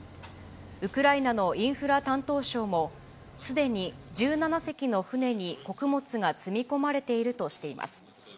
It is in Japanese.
ウクライナのインフラ担当相も、すでに１７隻の船に穀物が積み込まれているとしています。